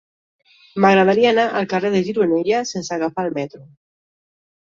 M'agradaria anar al carrer de Gironella sense agafar el metro.